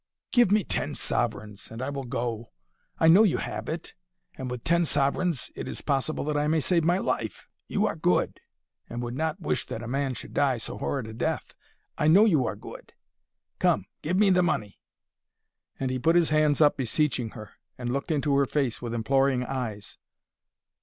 "Give me ten sovereigns, and I will go. I know you have it, and with ten sovereigns it is possible that I may save my life. You are good, and would not wish that a man should die so horrid a death. I know you are good. Come, give me the money." And he put his hands up, beseeching her, and looked into her face with imploring eyes.